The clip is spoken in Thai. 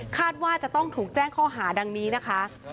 ว่าจะต้องถูกแจ้งข้อหาดังนี้นะคะ